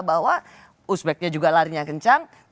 bahwa uzbeknya juga larinya kencang